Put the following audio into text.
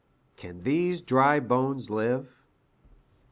CAN THESE DRY BONES LIVE?